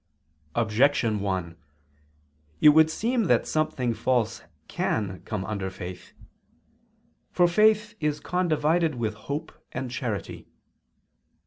Objection 1: It would seem that something false can come under faith. For faith is condivided with hope and charity.